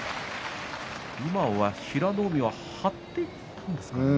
今は平戸海は張っていったんですかね。